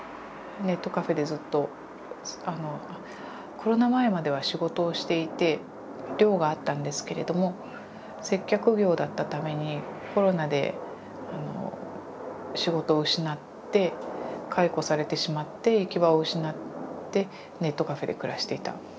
コロナ前までは仕事をしていて寮があったんですけれども接客業だったためにコロナで仕事を失って解雇されてしまって行き場を失ってネットカフェで暮らしていた。